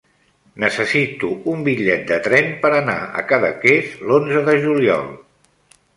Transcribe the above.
Necessito un bitllet de tren per anar a Cadaqués l'onze de juliol.